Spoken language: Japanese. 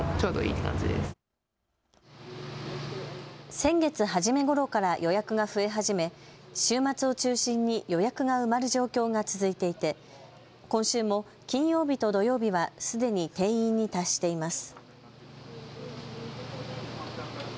先月初めごろから予約が増え始め週末を中心に予約が埋まる状況が続いていて今週も金曜日と土曜日はすでに定員に達しています。